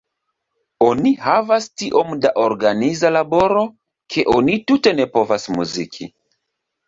Oni havas tiom da organiza laboro, ke oni tute ne povas muziki.